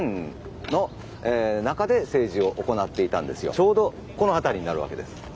ちょうどこの辺りになるわけです。